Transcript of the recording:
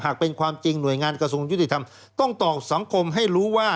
หากเป็นความจริงหน่วยงานกระทรวงยุติธรรมต้องตอบสังคมให้รู้ว่า